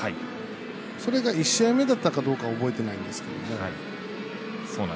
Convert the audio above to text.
それが１試合目だったかどうかは覚えてないんですけど。